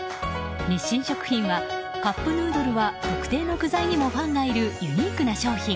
日清食品は、カップヌードルは特定の具材にもファンがいるユニークな商品。